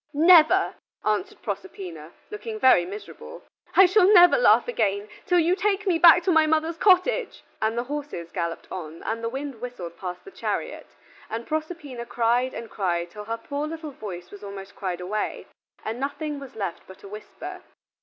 "Never" answered Proserpina, looking very miserable. "I shall never laugh again, till you take me back to my mother's cottage." And the horses galloped on, and the wind whistled past the chariot, and Proserpina cried and cried till her poor little voice was almost cried away, and nothing was left but a whisper.